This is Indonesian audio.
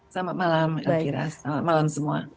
selamat malam elvira selamat malam semua